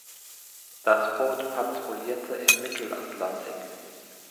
Das Boot patrouillierte im Mittelatlantik.